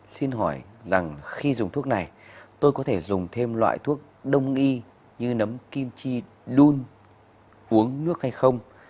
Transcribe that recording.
xin hỏi rằng khi dùng thuốc này tôi có thể dùng thêm loại thuốc đông y như nấm kim chi đun uống nước hay không